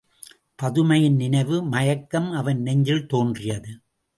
பதுமையின் நினைவு மயக்கம் அவன் நெஞ்சில் தோன்றியது.